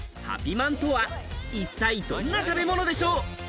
まんとは、一体どんな食べ物でしょう。